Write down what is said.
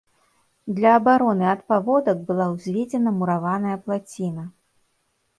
Для абароны ад паводак была ўзведзена мураваная плаціна.